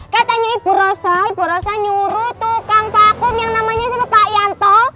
katanya ibu rosa ibu rosa nyuruh tukang vakum yang namanya si bapak ianto